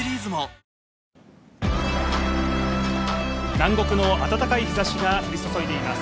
南国の暖かい日ざしが降り注いでいます。